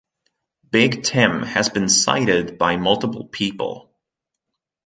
Big Tim has been sighted by multiple people.